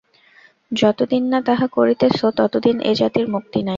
যতদিন না তাহা করিতেছ, ততদিন এ জাতির মুক্তি নাই।